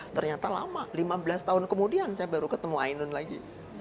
ternyata lama lima belas tahun kemudian saya baru ketemu ainun lagi